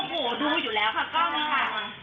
คุณเปิดชุมกันไหมคะ